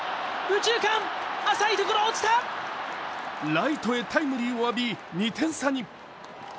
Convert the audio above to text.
ライトへタイムリーを浴び、２点差に。